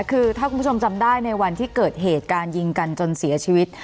คือถ้าคุณผู้ชมจำได้ในวันที่เกิดเหตุการยิงกันจนเสียชีวิต